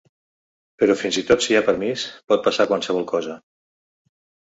Però fins i tot si hi ha permís, pot passar qualsevol cosa.